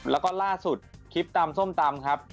แล้วก็ล่าสุดคลิปตำส้มตำครับ